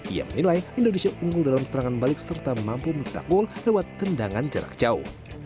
ia menilai indonesia unggul dalam serangan balik serta mampu mencetak gol lewat tendangan jarak jauh